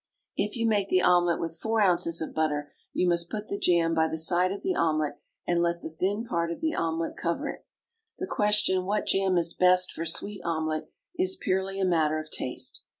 If you make the omelet with four ounces of butter, you must put the jam by the side of the omelet and let the thin part of the omelet cover it. Of course, the question what jam is best for sweet omelet is purely a matter of taste.